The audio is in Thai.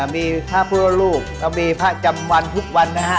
มีผ้าเพื่อลูกเรามีผ้าจำวันทุกวันนะฮะ